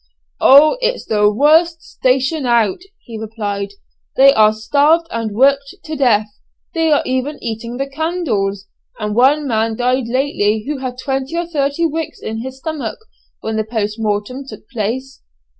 "Oh, it's the worst station out," he replied, "they are starved and worked to death. They are even eating the candles, and one man died lately who had twenty or thirty wicks in his stomach when the post mortem took place.